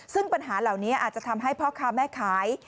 ซึ่งปัญหาเหล่านี้อาจจะทำให้พ่อค้าแม่ขาย